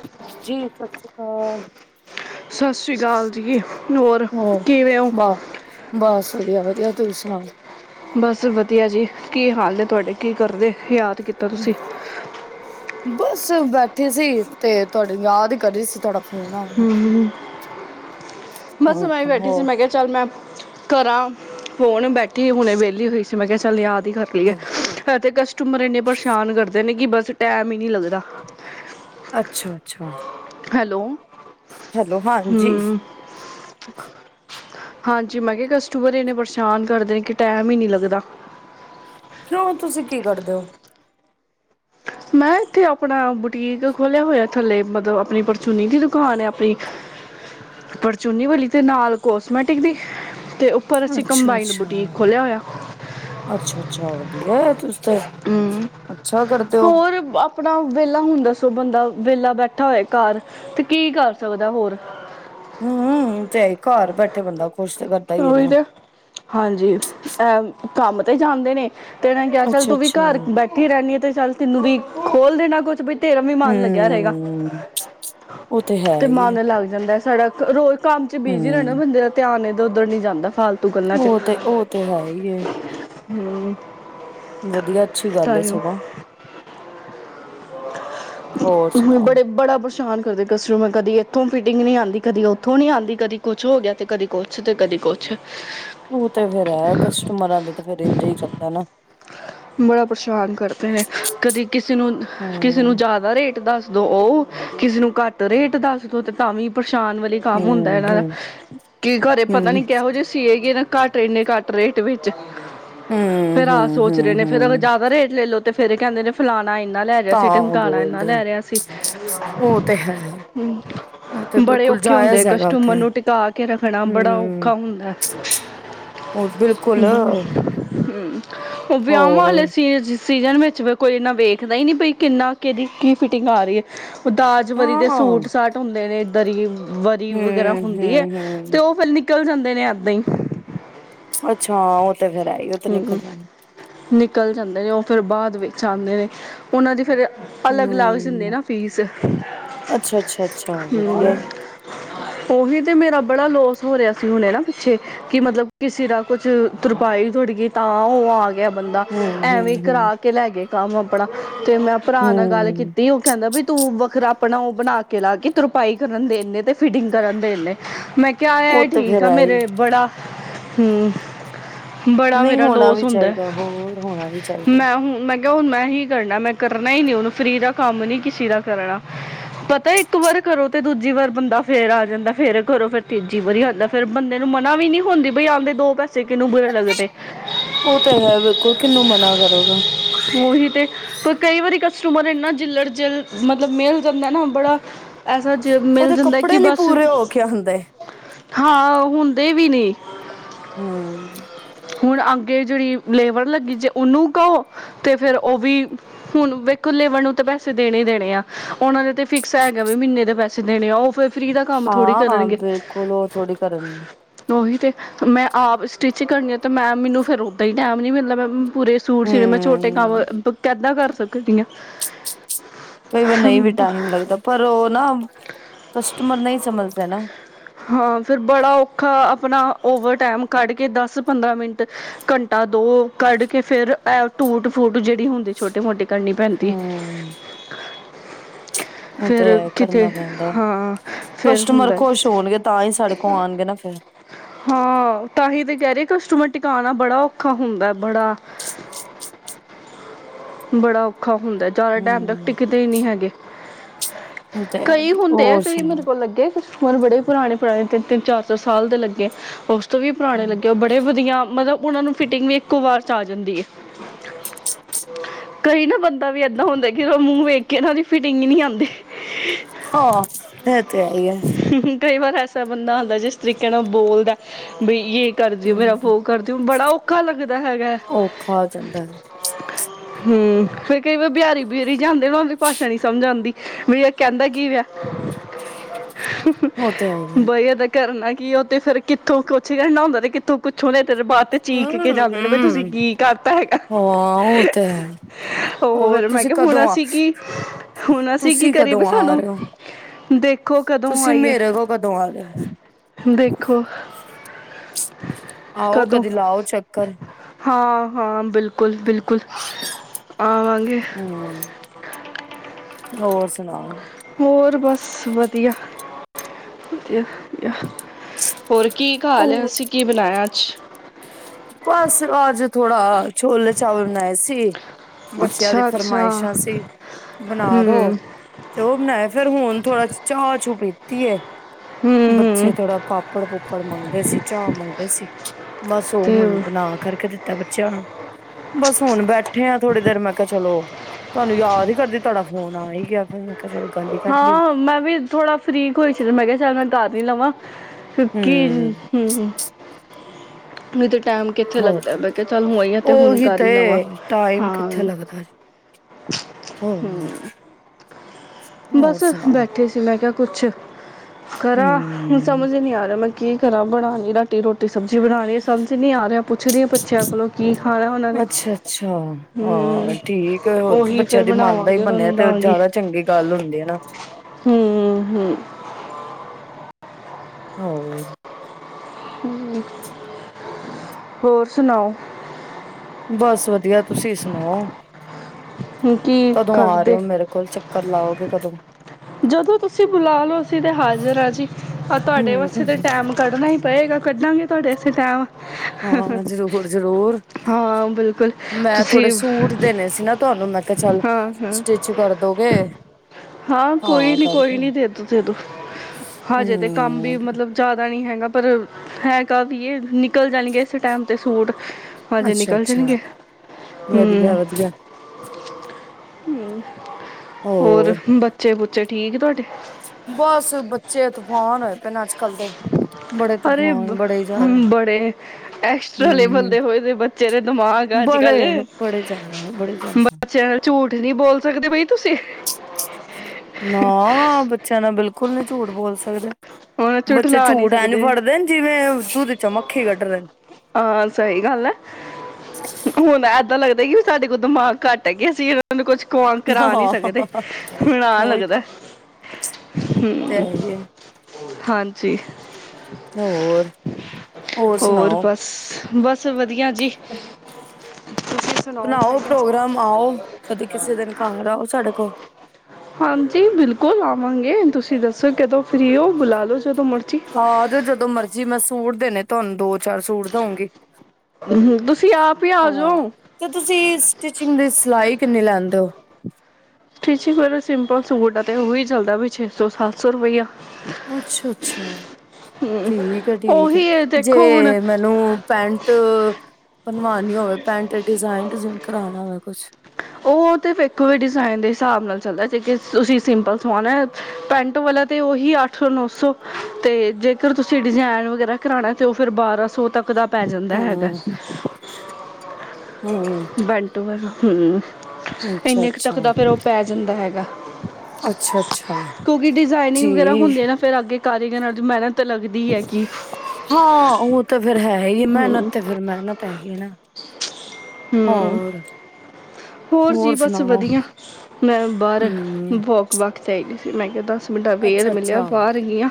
ਜੀ, ਸਤਿ ਸ੍ਰੀ ਅਕਾਲ ਸਤਿ ਸ਼੍ਰੀ ਅਕਾਲ ਜੀ ਹੋਰ ਕਿਵੇਂ ਹੋ ਬਸ ਬਸ ਵਧੀਆ ਤੁਸੀ ਸੁਣਾਓ ਬਸ ਵਧੀਆ ਜੀ ਕੀ ਹਾਲ ਨੇ ਤੁਹਾਡੇ ਕੀ ਕਰਦੇ ਯਾਦ ਕੀਤਾ ਤੁਸੀਂ ਬਸ ਬੈਠੀ ਸੀ ਤੇ ਤੁਹਾਡੇ ਯਾਦ ਹੀ ਕਰ ਰਹੀ ਸੀ ਤੁਹਾਡਾ ਫੋਨ ਆ ਗਿਆ ਹੂੰ ਹੂੰ ਬਸ ਮੈਂ ਹੀ ਹਮ ਬੈਠੀ ਸੀ ਹੋਰ ਮੈਂ ਕਿਹਾ ਚੱਲ ਮੈਂ ਕਰਾਂ ਫੋਨ ਬੈਠੀ ਹੁਣੇ ਵਿਹਲੀ ਹੋਈ ਸੀ, ਮੈਂ ਕਿਹਾ ਚੱਲ ਯਾ ਕਰ ਲਈ ਹੈ ਫੇਰ ਤੇ ਕੁਛ, ਕਸਟਮਰ ਇੰਨੇ ਪਰੇਸ਼ਾਨ ਕਰਦੇ ਨੇ ਕਿ ਬਸ ਟਾਈਮ ਹੀ ਨਹੀਂ ਲੱਗਦਾ। ਅੱਛਾ-ਅੱਛਾ, ਹੈਲੋ, ਹੈਲੋ ਹਾਂਜੀ, ਹੂੰ ਹਾਂਜੀ ਮੈਂ ਕਿਹਾ ਕਸਟਮਰ ਇੰਨੇ ਪਰੇਸ਼ਾਨ ਕਰਦੇ ਨੇ ਕਿ ਟਾਈਮ ਹੀ ਨੀ ਲੱਗਦਾ। ਕਿਉ ਤੁਸੀਂ ਕੀ ਕਰਦੇ ਹੋ? ਮੈਂ ਇੱਥੇ ਆਪਣਾ ਬੁਟੀਕ ਖੋਲਿਆ ਹੋਇਆ ਥੱਲੇ ਮਤਲਬ ਆਪਣੀ ਪਰਚੂਨੀ ਦੀ ਦੁਕਾਨ ਹੈ, ਆਪਣੀ ਪਰਚੂਨੀ ਵਾਲੀ ਤੇ ਨਾਲ ਕੋਸਮੈਟਿਕ ਦੀ ਤੇ ਉੱਪਰ ਅਸੀਂ ਕੰਬਾਈਨਡ ਬੁਟੀਕ ਖੋਲਿਆ ਹੋਇਆ ਅੱਛਾ-ਅੱਛਾ-ਅੱਛਾ-ਅੱਛਾ ਵਧੀਆ, ਤੁਸੀਂ ਹਮ ਅੱਛਾ ਕਰ, ਹੋਰ ਆ ਆਪਣਾ ਵਿਹਲਾ ਹੁਣ ਦੱਸੋ ਬੰਦਾ ਵਿਹਲਾ ਬੈਠਾ ਹੋਏ ਘਰ ਤੇ ਕੀ ਕਰ ਸਕਦਾ ਹੋਰ ਹੂੰ, ਤੇ ਘਰ ਬੈਠੇ ਬੰਦਾ ਖੁਸ਼ ਕਰਦਾ ਹੈ ਉਹੀ ਨਾ, ਤੇ ਹਾਂਜੀ ਅ ਕੰਮ ਤੇ ਜਾਂਦੇ ਨੇ,, ਤੇ ਐਮੇ ਕਿਹ ਅੱਛਾ ਸਕਦੇ ਔ ਕਿ ਅੱਛਾ ਘਰ ਬੈਠੀ ਰਹਿੰਨੀ ਤੇ, ਤੈਨੂੰ ਵੀ ਖੋਲ ਦੇਣਾ ਕੁਛ ਵੀ ਤੇਰਾ ਵੀ ਮਨ ਲੱਗਿਆ ਰਹੇਗਾ, ਹਮ ਉਹ ਹੈ ਤੇ ਹੀ ਹੈ ਮਨ ਲੱਗ ਜਾਂਦਾ ਸੜਕ ਰੋਜ਼, ਕੰਮ ਚ ਬਿਜ਼ੀ ਰਹਿਣਾ ਹਮ ਬੰਦੇ ਦਾ ਧਿਆਨ, ਉੱਧਰ ਨੀ ਜਾਂਦਾ ਫਾਲਤੂ ਗੱਲਾਂ ਚ ਉਹ ਤੇ ਉਹ ਤੇ ਈ ਐ। ਹੂੰ, ਵਧੀਆ ਅੱਛੀ ਗੱਲ ਹੈ, ਸਗੋਂ। ਹੋਰ [unintelligible] ਸੁਣਾਓ ਬੜੇ ਬੜਾ ਬੁਛ, ਪਰੇਸ਼ਾਨ ਕਰਦੇ ਕਸਟਮਰ ਕਦੀ ਇੱਥੋਂ ਫਿਟਿੰਗ ਨੀ ਆਦੀ, ਕਦੀ ਉੱਥੋਂ ਨਹੀ ਆਦੀ ਕਦੀ ਕੁਛ ਹੋ ਗਿਆ ਤੇ ਕਦੀ ਕੁਛ ਤੇ ਕਦੀ ਕੁਛ ਉਹ ਤੇ ਫੇਰ ਹੈ, ਕਸਟਮਰਾਂ ਦਾ ਤੇ ਫਿਰ ਇੰਝ ਹੀ ਚੱਲਦਾ ਨਾ ਬੜਾ ਪਰੇਸ਼ਾਨ ਕਰਦੇ ਨੇ ਕਦੀ ਕਿਸੇ ਨੂੰ ਕਿਸੇ ਨੂੰ ਹਮ ਜ਼ਿਆਦਾ ਰੇਟ ਦੱਸ ਦੋ ਉਹ, ਕਿਸੇ ਨੂੰ ਘੱਟ ਰੇਟ ਦੱਸ ਦੋ ਤਾਂ ਵੀ ਸ਼ਾਨ ਵਾਲੀ ਕੰਮ ਹੁੰਦਾ ਹਮ ਇਹਨਾਂ ਦਾ ਹਮ ਕੀ ਖਰੇ ਪਤਾ ਹਮ ਨੀ ਕਿਹੋ ਜਿਹੇ ਸੀਏਗੀ ਘੱਟ ਇੰਨੇ ਘੱਟ ਰੇਟ ਵਿੱਚ, ਫੇਰ ਹਮ ਆਹ ਹਮ ਸੋਚ ਰਹੇ ਹਮ ਨੇ ਫੇਰ ਅਗਰ ਹਮ ਜ਼ਿਆਦਾ ਰੇਟ ਲੈਲੋ। ਤੇ ਫੇਰ ਕਹਿੰਦੇ ਨੇ ਫਲਾਣਾ ਇੰਨਾ ਰਿਹਾ ਸੀ ਤਾਂ ਟਮਕਾਣਾ ਇਨਾ ਬੋਲਦੇ ਨੇ। ਲੈ ਰਿਹਾ ਸੀ, ਉਹ ਤੇ ਹੈ ਉਹ ਤੇ ਬੜੇ ਬਿਲਕੁਲ ਔਖੇ ਹੁੰਦੇ ਜਾਇਜ਼ ਹੈਗਾ ਕਸਟਮਰ ਉਥੇ ਨੂੰ ਟਿਕਾ ਕੇ ਰੱਖਣਾ ਬੜਾ ਹਮ ਔਖਾ ਹੁੰਦਾ। ਉਹ ਬਿਲਕੁਲ ਹੂੰ ਹੂੰ ਉਹ ਵਿਆਵਾਂ ਵਾਲੇ ਹੋਰ ਸੀਜ਼ ਸੀਜਨ ਵਿੱਚ ਕੋਈ ਇੰਨਾ ਵੇਖਦਾ ਹੀ ਨਹੀਂ ਪਈ ਕਿੰਨਾ ਕਿਹਦੀ ਕੀ ਫਿਟਿੰਗ ਆ ਰਹੀ ਐ। ਦਾਜ ਵਰੀ ਹਾਂ ਦੇ ਹਮ ਸੂਟ-ਸਾਟ ਹੁੰਦੇ ਨੇ ਦਰੀ ਵਰੀ ਵਗੈਰਾ ਹੁੰਦੀ ਐ, ਹਮ ਤੇ ਹਮ ਉਹ ਫਿਰ ਨਿਕਲ ਜਾਂਦੇ ਨੇ ਏਦਾਂ ਈ ਅੱਛਾ ਉਹ ਤਾਂ ਫੇਰ ਹੈ ਈ ਉਹ ਤੇ ਨਿਕਲ ਹਮ ਜਾਣਾ। ਨਿਕਲ ਜਾਂਦੇ ਨੇ ਉਹ ਫਿਰ ਬਾਅਦ ਵਿੱਚ ਆਂਦੇ ਨੇ ਉਹਨਾਂ ਦੀ ਫਿਰ ਅਲੱਗ [unintelligible] ਚ ਹੁੰਦੀ ਹਮ ਨਾ ਫੀਸ, ਅੱਛਾ ਅੱਛਾ ਅੱਛਾ ਹੂੰ ਵਧੀਆ ਉਹੀ ਤੇ ਮੇਰਾ ਬੜਾ ਲੋਸ ਲੋਸ ਹੋ ਰਿਹਾ ਸੀ ਹੁਣੇ ਨਾ ਪਿੱਛੇ, ਕੀ ਮਤਲਬ ਕਿਸੇ ਦਾ ਕੁਛ ਤਰਪਾਈ ਦਿੜਗੀ ਤਾਂ ਉਹ ਆ ਗਿਆ ਬੰਦਾ, ਹਮ ਹਮ ਐਵੇਂ ਈ ਹਮ ਕਰਾ ਕੇ ਲੈ ਗਏ ਕੰਮ। ਬੜਾ ਤੇ ਮੈਂ ਭਰਾ ਨਾਲ ਗੱਲ ਹਮ ਕੀਤੀ ਉਹ ਕਹਿੰਦਾ ਵੀ ਤੂੰ ਵੱਖਰਾ ਆਪਣਾ ਉਹ ਬਣਾ ਕੇ ਲਾ ਕੇ ਤਰਪਾਈ ਕਰਨ ਦੇ ਐਨੇ ਤੇ ਫਿਟਿੰਗ ਕਰਨ ਦੇ ਐਨੇ ਕਿਆ ਉਹ ਇਹ ਤੇ ਠੀਕ ਫੇਰ ਆ ਹੈ ਹੀ ਮੇਰੇ ਬੜਾ ਹੂੰ ਨਹੀਂ ਹੋਣਾ ਵੀ ਚਾਹੀਦਾ ਹੋਰ ਹੋਣਾ ਵੀ ਚਾਹੀਦਾ। ਮੈਂ ਹੁਣ ਮੈਂ ਹੁਣ ਮੈਂ ਹੀ ਕਰਨਾ ਮੈਂ ਕਰ ਕਰਨਾ ਹੀ ਨਹੀ ਉਹਨੂੰ ਫਰੀ ਦਾ ਕੰਮ ਨੀ ਕਿਸੇ ਦਾ ਕਰਨਾ। ਪਤਾ ਇੱਕ ਵਾਰ ਕਰੋ ਤੇ ਦੂਜੀ ਵਾਰ ਬੰਦਾ ਫੇਰ ਆ ਜਾਂਦਾ ਫੇਰ ਕਰੋ ਫੇਰ ਤੀਜੀ ਵਾਰੀ ਆਉਂਦਾ ਫਿਰ ਬੰਦੇ ਨੂੰ ਮਨਾ ਵੀ ਨੀ ਹੁੰਦੀ ਬਈ ਆਂਦੇ ਦੋ ਪੈਸੇ ਕਿਹਨੂੰ ਬੁਰੇ ਲੱਗਦੇ। ਉਹ ਤਾਂ ਹੈ ਬਿਲਕੁਲ ਕਿਨੂੰ ਮਨਾ ਕਰੋਗੇ। ਉਹੀ ਤੇ ਪਰ ਕਈ ਵਾਰੀ ਕਸਟਮਰ ਇੰਨਾ ਜਿੱੱਲੜ ਜਾ ਮਤਲਬ ਮਿਲ ਜਾਂਦਾ ਨਾ ਬੜਾ ਐਸਾ ਜੇ ਮਿਲ ਉਹਦੇ ਜਾਂਦਾ ਕੱਪੜੇ ਕਿ ਨੀ ਬਸ, ਪੂਰੇ ਹੋ ਕੇ ਆਂਦੇ। ਹਾਂ ਹੁਣ ਦੇ ਵੀ ਨੀ ਹੂੰ ਹੁਣ ਅੱਗੇ ਜਿਹੜੀ ਲੇਬਰ ਲੱਗੀ ਜੇ ਉਹਨੂੰ ਕਹੋ ਤੇ ਫਿਰ ਉਹ ਵੀ ਹੁਣ ਵੇਖੋ ਲੇਬਰ ਨੂੰ ਤਾਂ ਪੈਸੇ ਦੇਣੇ ਈ ਦੇਣੇ ਆ ਉਹਨਾਂ ਦੇ ਤੇ ਫਿਕਸ ਹੈਗੇ ਵੀ ਮਹੀਨੇ ਦੇ ਪੈਸੇ ਦੇਣੇ ਆ ਉਹ ਫਿਰ ਫਰੀ ਦਾ ਕੰਮ ਥੋੜ੍ਹੀ ਹਾਂ ਕਰਨਗੇ। ਬਿਲਕੁਲ ਉਹ ਥੋੜੀ ਕਰਨਗੇ ਉਹੀ ਤੇ ਮੈਂ ਆਪ ਸਟਿਚ ਕਰਨੀ ਆ ਤੇ ਮੈਂ ਮੈਨੂੰ ਫੇਰ ਓਦਾਂ ਹੀ ਟੈਮ ਨੀ ਮਿਲਦਾ ਮੈਂ ਪੂਰੇ ਸੂਟ ਸੀਣੇ ਮੈਂ ਛੋਟੇ ਹੂੰ। [unintelligible] ਕਿੱਦਾ ਕਰ ਸਕਦੀਆ। ਕਈ ਵਾਰ ਨਹੀਂ ਵੀ ਟਾਈਮ ਲੱਗਦਾ ਪਰ ਉਹ ਨਾ ਕਸਟਮਰ ਨਹੀਂ ਸਮਝਦੇ ਨਾ ਓਵਰਟਾਈਮ ਕੱਢ ਕੇ ਦਸ ਪੰਦਰਾਂ ਮਿੰਟ ਘੰਟਾ ਦੋ ਕੱਢ ਕੇ ਫਿਰ ਟੂਟ ਫੂਟ ਜਿਹੜੀ ਹੁੰਦੀ ਛੋਟੀ ਮੋਟੀ ਕਰਨੀ ਪੈਂਦੀ ਹੂੰ। ਉਹ ਤੇ ਫਿਰ ਹੈ ਕਿਤੇ ਕਰਨਾ ਪੈਂਦਾ ਹਾਂ ਫੇਰ ਕਸਟਮਰ ਹੁੰਦਾ ਖੁਸ਼ ਹੋਣਗੇ ਤਾਂ ਹੀ ਸਾਡੇ ਕੀਤੇ ਕੋਲ ਆਣਗੇ ਨਾ ਫਿਰ ਹਾਂ ਤਾਂ ਹੀ ਤਾਂ ਕਹਿ ਰਹੀ ਕਸਟਮਰ ਟਿਕਾਣਾ ਬੜਾ ਔਖਾ ਹੁੰਦਾ ਬੜਾ ਬੜਾ ਔਖਾ ਹੁੰਦਾ ਜ਼ਿਆਦਾ ਟਾਈਮ ਤੱਕ ਹੂੰ ਟਿਕਦੇ ਹੀ ਨਹੀਂ ਹੈਗੇ ਉਹ ਤੇ ਹੈ ਕਈ ਜੀ ਹੁੰਦੇ ਆ ਹੋਰ ਕਈ ਸੁਣਾ ਮੇਰੇ ਕੋਲ ਲੱਗੇ ਹੁਣ ਬੜੇ ਪੁਰਾਣੇ ਪੁਰਾਣੇ ਤਿੰਨ ਤਿੰਨ ਚਾਰ ਚਾਰ ਸਾਲ ਦੇ ਲੱਗੇ ਉਸ ਉਸ ਤੋਂ ਵੀ ਪੁਰਾ ਲੱਗੇ ਉਹ ਬੜੇ ਵਧੀਆ ਮਤਲਬ ਉਹਨਾਂ ਨੂੰ ਫਿਟਿੰਗ ਵੀ ਇੱਕੋ ਵਾਰ ਚ ਆ ਜਾਂਦੀ ਏ ਕਈ ਨਾ ਬੰਦਾ ਵੀ ਏਦਾਂ ਹੁੰਦਾ ਕਿ ਉਹ ਦਾ ਮੂੰਹ ਵੇਖ ਕੇ ਉਹਦੀ ਫਿਟਿੰਗ ਹੀ ਨਹੀਂ ਆਦੀ ਹਾਂ ਇਹ ਤੇ ਹੈਈ ਹੈ ਕਈ ਵਾਰ ਐਸਾ ਬੰਦਾ ਆਂਦਾ ਜਿਸ ਤਰੀਕੇ ਨਾਲ ਬੋਲਦਾ ਬਈ ਇਹ ਕਰ ਜਓ ਮੇਰਾ ਹੂੰ ਵੋ ਕਰ ਦਿਓ ਹੁੂੰ ਬੜਾ ਔਖਾ ਲੱਗਦਾ ਹੈਗਾ ਔਖਾ ਹੋ ਜਾਂਦਾ ਹੈ। ਹੂੰ ਕਈ ਵਾਰ ਬਿਹਾਰੀ ਬਿਓਰੀ ਜੇ ਹੁੰਦੇ ਜਾਂਦੇ ਉਹਨਾਂ ਦੀ ਭਾਸ਼ਾ ਨੀ ਸਮਝ ਆਂਦੀ ਵੀ ਐ ਕਹਿੰਦਾ ਕੀ ਪਿਆ ਉਹ ਤੇ ਹੈ ਹੀ ਹੈ। ਬਈ ਏਹਦਾ ਕਰਨਾ ਕਿ ਉਹ ਤੇ ਫੇਰ ਕਿੱਥੋਂ ਕੁੱਛ ਕਹਿਣਾ ਹੁੰਦਾ ਤੇ ਕਿੱਥੋਂ ਕੁੱਛੋਂ ਫੇਰ ਬਾਤ ਹੂੰ ਚੀਕ ਕੇ ਜਾਂਦੇ ਨੇ ਵੀ ਤੁਸੀਂ ਹੂੰ ਕੀ ਕਰਤਾ ਹੈਗਾ ਹਾਂ ਉਹ ਤੇ ਹੈ ਉਹ ਹੋਰ ਫਿਰ ਮੈਂ ਤੁਸੀਂ ਕਿਹਾ ਕਦੋਂ ਹੁਣ ਆ ਅਸੀਂ ਕੀ ਹੁਣ ਅਸੀਂ ਕੀ ਤੁਸੀ ਕਰੀਏ ਕਦੋਂ ਵੀ ਆ ਸਾਨੂੰ ਰਹੇ ਹੋ ਦੇਖੋ ਕਦੋਂ ਤੁਸੀਂ ਆਈਏ ਮੇਰੇ ਕੋਲ ਕਦੋਂ ਆ ਰਹੇ ਹੋ। ਦੇਖੋ ਆਓ ਕਦੋਂ ਕਦੇ ਲਾਓ ਚੱਕਰ ਹਾਂ ਹਾਂ ਬਿਲਕੁਲ ਬਿਲਕੁਲ ਕੁਲ ਹੂੰ ਹੋਰ ਸੁਣਾਓ ਹੋਰ ਬਸ ਵਧੀਆ ਵਧੀਆ ਵਧੀਆ। ਹੋਰ ਕੀ ਖਾ ਲਿਆ ਉਹ ਸੀਸਕੀ ਬਣਾਇਆ ਅੱਜ ਬਸ ਅੱਜ ਥੋੜਾ ਛੋਲੇ ਚਾਵਲ ਬਣਾਏ ਸੀ ਬੱਚਿਆਂ ਦੀ ਅੱਛਾ ਅੱਛਾ ਫਰਮਾਇਸ਼ਾਂ ਸੀ ਬਣਾ ਦੋ ਹੂੰ ਤੇ ਉਹ ਬਣਾਏ ਫੇਰ ਹੁਣ ਥੋੜਾ ਚਾਹ ਚੂ ਪੀਤੀ ਏ ਬੱਚੇ ਹੂੰ ਥੋੜਾ ਪਾਪੜ ਪੁਪੜ ਮੰਗਦੇ ਸੀ, ਚਾਹ ਮੰਗਦੇ ਸੀ ਬਸ, ਤੇ ਹੁਣ ਬਣਾ ਕਰਕੇ ਦਿੱਤਾ। ਬੱਚਿਆਂ ਨੂੰ ਬਸ ਹੁਣ ਬੈਠੇ ਆ ਥੋੜੀ ਦੇਰ ਮੈਂ ਕਿਹਾ ਚਲੋ ਤੁਹਾਨੂੰ ਯਾਦ ਹੀ ਕਰਦੀ ਤੁਹਾਡਾ ਫੋਨ ਆ ਹੀ ਗਿਆ ਫਿਰ। ਕਿਹਾ ਚਲੋ ਗੱਲ ਹੀ ਕਰ ਲਈਏ ਹਾਂ ਮੈਂ ਵੀ ਥੋੜਾ ਫਰੀ ਕੋਈ ਮੈਂ ਕਿਹਾ ਸ਼ਾਇਦ ਮੈਂ ਘਰ ਨੀ ਲਵਾਂ। ਕੁਕੀ ਹੂੰ ਹ [unintelligible] ਤੇ, ਟਾਈਮ ਕਿੱਥੇ ਹੋਰ ਲੱਗਦਾ ਵੇ ਕਿਹਾ ਚੱਲ ਹੋਈ ਆ ਤੇ ਹੁਣ ਉਹੀ ਕਰ ਹੀ ਲਵਾਂ ਤੇ ਟਾਈਮ ਕਿੱਥੇ ਹਾਂ ਲੱਗਦਾ ਹੂੰ, ਹੋਰ ਹੋਰ ਬਸ ਸੁਣਾਓ ਬੈਠੇ ਸੀ ਮੈਂ ਕਿਹਾ। ਕੁਛ, ਖਰਾ ਹੁਣ ਹੂੰ ਸਮਝ ਨਹੀਂ ਆ ਰਿਹਾ ਮੈਂ, ਕੀ ਕਰਾਂ ਬਣਾਣੀ ਰਾਟੀ ਰੋਟੀ ਸਬਜ਼ੀ ਬਣਾਣੀ ਸਮਝ ਨਹੀਂ ਆ ਰਿਹਾ, ਪੁੱਛਦੀ ਆ ਬੱਚਿਆਂ ਕੋਲੋਂ ਕੀ ਖਾਣਾ ਉਹਨਾਂ ਨੇ ਅੱਛਾ ਅੱਛਾ ਹਾਂ ਹੂੰ, ਠੀਕ ਹੈ ਹੋਰ ਉਹੀ ਬੱਚਿਆਂ ਫਿਰ ਦੀ ਮਨ ਦਾ ਹੀ ਬਣਾਵਾਂਗੀ ਬਣਿਆ ਨੂੰ ਤੇ ਦਾਂਗੀ। ਜ਼ਿਆਦਾ ਚੰਗੀ ਗੱਲ ਹੁੰਦੀ ਆ ਨਾ ਹੂੰ-ਹੂੰ, ਹੋਰ, ਹੂੰ, ਹੋਰ ਸੁਣਾਓ। ਬਸ ਵਧੀਆ ਤੁਸੀਂ ਸੁਣਾਓ? ਕੀ ਕਦੋਂ ਆ ਰਹੇ ਹੋ ਕਰਦੇ ਮੇਰੇ ਕੋਲ ਚੱਕਰ ਲਾਓਗੇ ਕਦੋਂ? ਜਦੋਂ ਤੁਸੀਂ ਬੁਲਾ ਲਓ, ਅਸੀਂ ਤੇ ਹਾਜ਼ਰ ਹਾਂ ਜੀ ਆ ਤੁਹਾਡੇ ਵਾਸਤੇ ਹੂੰ ਤਾਂ ਟੈਮ ਕੱਢਣਾ ਹੀ ਪਏਗਾ ਕੱਢਾਂਗੇ। ਤੁਹਾਡੇ ਵਾਸਤੇ ਟਾਈਮ, ਹਾਂ ਜ਼ਰੂਰ ਜ਼ਰੂਰ ਹਾਂ ਬਿਲਕੁਲ ਮੈਂ ਥੋੜੇ ਤੁਸੀਂ ਸੂਟ ਦੇਣੇ ਸੀ, ਨਾ ਤੁਹਾਨੂੰ ਮੈਂ ਮੈ ਕਿਹਾ ਚੱਲ ਹਾਂ ਹਾਂ ਸਟਿਚ ਕਰ ਦੋਗੇ। ਹਾਂ ਕੋਈ ਤਾਂ ਨੀ ਕਰਕੇ ਕੋਈ ਨੀ ਦੇਦੋ ਦੇਦੋ ਹਜੇ ਤੇ ਕੰਮ ਹਮ ਵੀ ਮਤਲਬ ਜ਼ਿਆਦਾ ਨੀ ਹੈਗਾ। ਪਰ ਹੈਗਾ ਵੀ ਐ ਨ ਨਿਕਲ ਜਾਣਗੇ, ਇਸ ਟਾਈਮ ਤੇ ਸੂਟ ਹਜੇ ਅੱਛਾ ਨਿਕਲ ਅੱਛਾ ਜਾਣਗੇ ਵਧੀਆ ਹੂੰ ਵਧੀਆ ਹੂੰ, ਹੋਰ, ਬੱਚੇ ਬੁਚੇ ਠੀਕ ਤੁਹਾਡੇ, ਬਸ ਬੱਚੇ ਤੂਫਾਨ ਹੋਏ ਪਏ, ਨਾ ਅੱਜ ਕਲ ਦੇ ਬੜੇ ਅਰੇ ਬ- ਤੂਫਾਨ ਬੜੇ ਜ਼ਿਆਦਾ ਬੜੇ ਐਕਸਟਰਾ ਲੈਵਲ ਹੂੰ-ਹੂੰ ਦੇ ਹੋਏ ਦੇ ਬੱਚੇ ਦੇ ਦਿਮਾਗ ਅੱਜ ਬੜੇ ਕੱਲ ਬੜੇ ਜ਼ਿਆਦਾ ਬੜੇ ਜ਼ਿਆਦਾ। ਬੱਚਿਆਂ ਨਾਲ ਝੂਠ ਨਹੀਂ ਬੋਲ ਸਕਦੇ ਬਈ, ਤੁਸੀਂ, ਨਾ ਬੱਚਿਆਂ ਨਾਲ ਬਿਲਕੁਲ ਨਹੀ ਝੂਠ ਬੋਲ ਸਕਦੇ ਉਹਨਾਂ ਨੂੰ ਬੱਚੇ ਝੂਠਲਾ ਨਹੀਂ ਝੂਠ ਐਂਜ ਸਕਦੇ ਫੜਦੇ ਜਿਵੇਂ ਦੂੱਧ ਚ ਮੱਖੀ ਕੱਢ ਰਹੇ ਨੇ ਹਾਂ ਸਹੀ ਗੱਲ ਹੈ ਵੀ ਸਾਡੇ ਕੋਲ ਦਿਮਾਗ ਘੱਟ ਹੈਗੇ ਅਸੀਂ ਇਹਨਾਂ ਨੂੰ ਕੁਛ ਕੋਲ ਹਾਂ ਕਰਾ ਨਹੀਂ ਸਕਦੇ ਨਾਲ ਉਹੀ ਲੱਗਦਾ ਤੇ ਹੈ ਹੂ ਹੀ ਹੈ ਹਾਂਜੀ ਹੋਰ ਹੋਰ ਬਸ ਬਸ ਵਧੀਆ ਜੀ ਤੁਸੀ ਸੁਣਾਓ ਮੈ ਬਣਾਓ ਕਿਹਾ ਪ੍ਰੋਗਰਾਮ ਆਓ ਕਦੇ ਕਿਸੇ ਦਿਨ ਘਰ ਆਓ ਸਾਡੇ ਕੋਲ ਹਾਂਜੀ ਬਿਲਕੁਲ ਆਵਾਂਗੇ ਤੁਸੀਂ ਦੱਸੋ ਕਦੋਂ ਫਰੀ ਹੋ ਬੁਲਾ ਲੋ ਆ ਜਾਓ ਜਦੋਂ ਮਰਜ਼ੀ ਮੈਂ ਸੂਟ ਦੇਣੇ ਤੁਹਾਨੂੰ ਦੋ ਚਾਰ ਸੂਟ ਦਿਓਗੀ ਹਮ, ਤੁਸੀਂ ਆਪ ਹੀ ਆ ਹਾਂ ਜਾਓ ਤੇ ਤੁਸੀਂ ਸਟਿਚਿੰਗ ਦੀ ਸਿਲਾਈ ਕਿੰਨੀ ਲੈਂਦੇ ਹੋ ਕੁ [unintelligible] ਸਟਿਚਿੰਗ ਸਿੰਪਲ ਸੂਟ ਤੇ ਉਹੀ ਚੱਲਦਾ ਵੀ ਛੇ ਸੌ ਸੱਤ ਸੌ ਰੁਪਈਆ ਅੱਛਾ ਅੱਛਾ ਠੀਕ ਹੈ ਠੀਕ ਹੈ ਉਹੀ ਦੇਖੋ ਹੁਣ ਜੇ ਮੈਨੂੰ ਪੈਂਟ ਬਣਵਾਉਣੀ ਹੋਵੇ ਪੈਂਟ ਡਿਜ਼ਾਇਨ ਡੂਜੀਨ ਕਰਉਣਾ ਹੋਵੇ ਕੁਛ ਉਹ ਤੇ ਵੇਖੋ ਡਿਜ਼ਾਇਨ ਦੇ ਹਿਸਾਬ ਨਾਲ ਚੱਲਦਾ ਜੇਕਰ ਤੁਸੀਂ ਸਿੰਪਲ ਸਾਵਾਨਾ ਹੈ, ਪੈਂਟ ਵਾਲਾ ਤੇ ਉਹੀ ਅੱਠ ਸੌ ਨੌ ਸੌ ਤੇ ਜੇਕਰ ਤੁਸੀਂ ਡਿਜ਼ਾਇਨ ਵਗੈਰਾ ਕਰਾਣਾ ਤੇ ਉਹ ਫਿਰ ਬਾਰਾਂ ਸੌ ਤੱਕ ਤਕ ਦਾ ਪੈ ਜਾਂਦਾ ਹੈਗਾ ਹੂੰ ਹੂੰ ਪੈਂਟ ਵਾਲਾ ਹੂ ਅੱਛਾ ਇੰਨੇ ਕੁ ਤੱਕ ਅੱਛਾ ਦਾ ਫਿਰ ਉਹ ਪੈ ਜਾਂਦਾ ਹੈਗਾ ਅੱਛਾ ਅੱਛਾ ਕਿਉਂਕਿ ਡਿਜ਼ਾਇਨਿੰਗ ਵਗੈਰਾ ਜੀ ਹੁੰਦੇ ਨਾ ਫਿਰ ਅੱਗੇ ਕਾਰੀਗਰ ਦੀ ਮਿਹਨਤ ਲੱਗਦੀ ਹੈਗੀ ਹਾਂ ਉਹ ਤੇ ਫਿਰ ਹੈ ਹੀ ਮਿਹਨਤ ਹੂੰ ਤੇ ਫਿਰ ਮਿਹਨਤ ਹੈਗੀ ਨਾ ਹੂੰ ਹੋਰ ਹੋਰ ਜੀ ਬਸ ਵਧੀਆ ਮੈਂ ਬਾਹਰ ਹੂੰ, ਵਾਕ ਵੋਕ ਤੇ ਆਈ ਹੋਈ ਸੀ ਮੈਂ ਕਿਹਾ ਦੱਸ ਸੀ [unintelligible] ਮੁੰਡਾ ਫਿਰ ਮਿਲਿਆ ਅੱਛਾ-ਅੱਛਾ, ਬਾਹਰ ਗਿਆ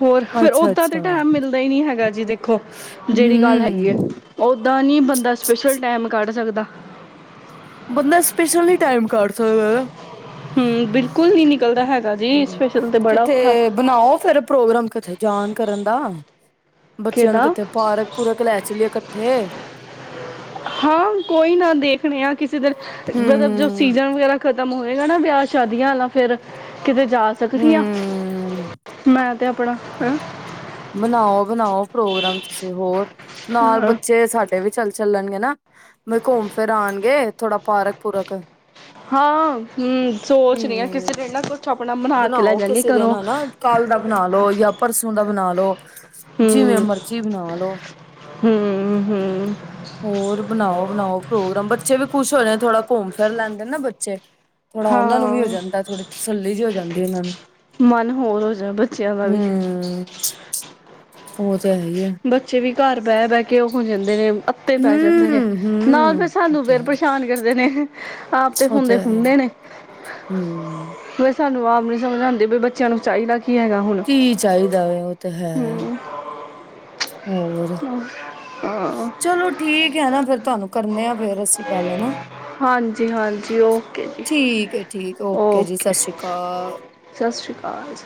ਹੋਰ ਫਿਰ ਓਦਾਂ ਤੇ ਅੱਛਾ-ਅੱਛਾ, ਟਾਇਮ ਮਿਲਦਾ ਹੀ ਨੀ ਹੈਗਾ ਜੀ ਦੇਖੋ ਜਿਹੜੀ ਗੱਲ ਹੂੰ। ਹੈਗੀ ਹੈ ਓਦਾਂ ਨੀ ਬੰਦਾ ਸਪੈਸ਼ਲ ਟੈਮ਼ ਕੱਢ ਸਕਦਾ ਬੰਦਾ ਸਪੈਸ਼ਲ ਨਹੀ ਟਾਇਮ ਕਢ ਸਕਦਾ ਹੈਨਾ ਹੂੰ ਬਿਲਕੁਲ ਨਹੀਂ ਨਿਕਲਦਾ ਹੈਗਾ ਜੀ ਹੂ ਸਪੈਸ਼ਲ ਤੇ ਬੜਾ ਔਖਾ ਕਿਥੇ ਬਣਾਓ ਫਿਰ ਪ੍ਰੋਗਰਾਮ ਕਿਥੇ ਜਾਣ ਕਰਨ ਦਾ ਬੱਚਿਆਂ ਨੂੰ ਕਿਹਦਾ ਕਿੱਥੇ ਪਾਰਕ ਪੂਰਕ ਲੈ ਚਾਲਿਐ ਇਕੱਠੇ ਹਾਂ ਕੋਈ [unintelligible] ਕਿਸੇ ਦਿਨ ਮਤਲਬ ਜੋ ਹੂੰ। ਸੀਜਨ ਵਗੈਰਾ ਖਤਮ ਖਤਮ ਹੋਏਗਾ ਨਾ ਵਿਆਹ ਸ਼ਾਦੀਆਂ ਵਾਲਾ ਫਿਰ ਕਿਤੇ ਜਾ ਸਕਦੀ ਹਾ ਹੂੰ, ਮੈਂ ਤੇ ਆਪਣਾ ਹਂ ਬਣਾਓ-ਬਣਾਓ ਪ੍ਰੋਗਰਾਮ ਚ ਸੀ ਹੋਰ ਨਾਲ ਬੱਚੇ ਸਾਡੇ ਵੀ ਚੱਲ ਚੱਲ ਚੱਲਣਗੇ ਨਾ ਘੁੰਮ ਫਿਰ ਆਉਣਗੇ ਥੋੜਾ ਪਾਰਕ ਪੂਰਕ ਹਾਂ ਹੂ ਸੋਚ ਨੀ ਆ ਹੂੰ। ਕਿਸੇ ਨੇ ਨਾ ਕੁਛ ਆਪਣਾ ਬਣਾ ਕੇ ਲੈ ਬਣਾਓ ਜਾਂਗੀ ਕਿਸੇ ਦਿਨ ਘਰੋਂ ਹੈਨਾ ਕਾਲ ਦਾ ਬਣਾ ਲੋ ਜਾਂ ਪਰਸੋਂ ਦਾ ਬਣਾ ਲੋ ਜਿਵੇਂ ਹਮ ਮਰਜੀ ਬਣਾ ਲੋ ਹਮ ਹਮ ਹੋਰ ਬਣਾਓ ਬਣਾਓ ਪ੍ਰੋਗਰਾਮ ਬੱਚੇ ਵੀ ਖੁਸ਼ ਹੋ ਨੇ ਥੋੜਾ ਘੁੰਮ ਫਿਰ ਲੈਂਦੇ ਨਾ ਚੈਟ ਥੋੜਾ ਉਹਨਾ ਨੂੰ ਵੀ ਹਾਂ ਜਾਂਦਾ ਥੋੜੀ ਤਸੱਲੀ ਜ ਹੋ ਜਾਂਦਾ ਏਹਨਾਂ ਨੇ ਮਨ ਹੋਰ ਹੋ ਜਾ ਬੱਚਿਆਂ ਦਾ ਵੀ ਹੋਰ ਬੱਚੇ ਵੀ ਘਰ ਬਹਿ ਬਹਿ ਕੇ ਉਬ ਜਾਂਦੇ ਮ [unintelligible] ਅੱਤੇ ਪੈ ਜਾਂਦੇ ਨੇ ਨਾਲ ਫਿਰ ਹੂੰ-ਹੂੰ ਉਹ ਸਾਨੂੰ ਤੇ ਫਿਰ ਹੈ। ਪਰੇਸ਼ਾਨ ਕਰ ਦਿਨੇ ਆਪ ਤੇ ਉਹ ਹੁੰਦੇ ਹੈ ਹੀ ਹੈ। ਹੁੰਦੇ ਨੇ ਹੂੰ ਬ ਸਾਨੂੰ ਆਪ ਮੈਨੂੰ ਸਮਝ ਆਂਦੀ, ਬਈ ਬੱਚਿਆਂ ਨੂੰ ਚਾਹੀਦਾ ਕੀ ਹੈਗਾ ਹੁਣ ਕੀ ਚਾਹੀਦਾ ਵ ਉਹ ਤੇ ਹੈ ਹੋਰ ਹਾਂ ਚਲੋ ਠੀਕ ਹੈ ਨਾ ਫੇਰ ਤੁਹਾਨੂੰ ਕਰਨੇ ਆ ਫੇਰ ਅਸੀਂ ਗੱਲ ਹੈਨਾ ਹਾਂਜੀ ਹਾਂਜੀ ਔਕੇ ਜੀ ਠੀਕ ਹੈ ਠੀਕ ਓਕੇ ਜੀ ਸਤਿ ਔਕੇ ਸ਼੍ਰੀ ਅਕਾਲ। ਸਤਿ ਸ਼੍ਰੀ ਅਕਾਲ ਆਜ